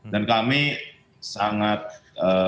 dan kami sangat berharap